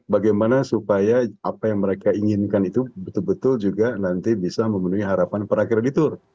bagaimana supaya apa yang mereka inginkan itu betul betul juga nanti bisa memenuhi harapan para kreditur